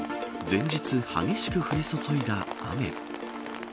前日、激しく降り注いだ雨。